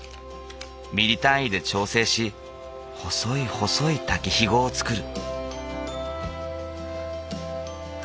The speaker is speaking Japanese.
ミリ単位で調整し細い細い竹ひごを作る。